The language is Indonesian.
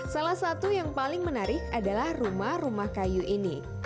salah satu yang paling menarik adalah rumah rumah kayu ini